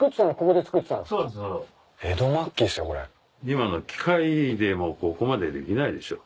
今の機械でもここまでできないでしょ。